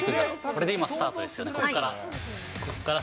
これで今、スタートですよね、ここから。